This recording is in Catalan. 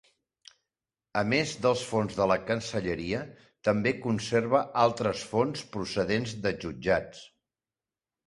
A més dels fons de la Cancelleria també conserva altres fons procedents de jutjats.